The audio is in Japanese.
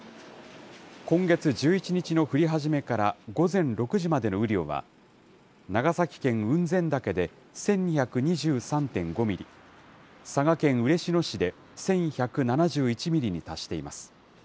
今月１１日の降り始めから午前６時までの雨量は、長崎県雲仙岳で１２２３．５ミリ、佐賀県嬉野市で１１７１ミリに達しています。